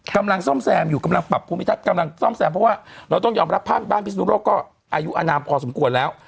กำลังซ่อมแซมอยู่กำลังปรับภูมิทัศน์กำลังซ่อมแซมเพราะว่าเราต้องยอมรับบ้านพิศนุโลกก็อายุอนามพอสมควรแล้ว